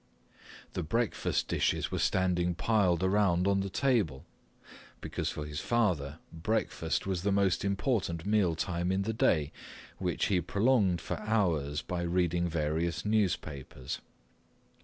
The breakfast dishes were standing piled around on the table, because for his father breakfast was the most important meal time in the day, which he prolonged for hours by reading various newspapers.